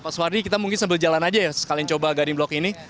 pak suwardi kita mungkin sambil jalan aja ya sekalian coba guiding block ini